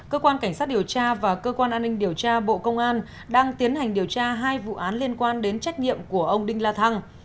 cơ quan cảnh sát điều tra và cơ quan an ninh điều tra bộ công an đang tiến hành điều tra hai vụ án liên quan đến trách nhiệm của ông đinh la thăng